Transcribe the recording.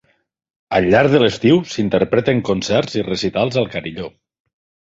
Al llarg de l'estiu, s'interpreten concerts i recitals al carilló.